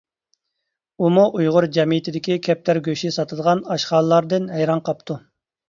ئۇمۇ ئۇيغۇر جەمئىيىتىدىكى كەپتەر گۆشى ساتىدىغان ئاشخانىلاردىن ھەيران قاپتۇ.